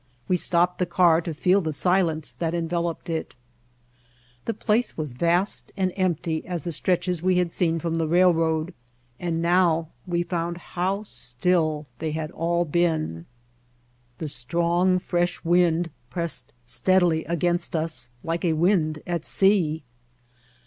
We stopped the car to feel the silence that enveloped it. The place was vast and empty as the stretches we had seen from the railroad, and now we found how still they all had been. The White Heart of Mojave strong, fresh wind pressed steadily against us like a wind at sea.